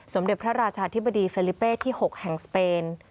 สมเด็จพระราชาธิบดีเฟลิเป้ที่๖แห่งสเปน